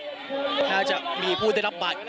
ดังขึ้นมากกว่าสิบนัดหลังจากนั้นมวลชนที่อยู่บริเวณแยกเกียจกาย